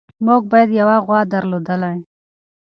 موږ باید یوه غوا درلودلی.